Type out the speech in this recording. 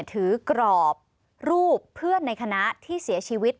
กรอบรูปเพื่อนในคณะที่เสียชีวิต